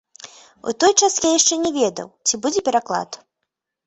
У той час я яшчэ не ведаў, ці будзе пераклад.